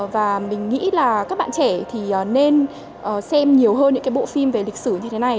và mình nghĩ là các bạn trẻ thì nên xem nhiều hơn những cái bộ phim về lịch sử như thế này